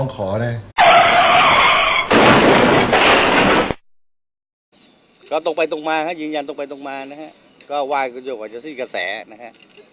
ก็ตกไปตกมานะฮะยืนยันตกไปตกมานะฮะก็ว่าอยู่กว่าจะซีกระแสนะฮะ